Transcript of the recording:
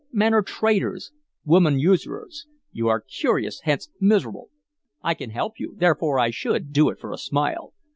Men are traders, women usurers. You are curious, hence miserable. I can help you, therefore I should, do it for a smile.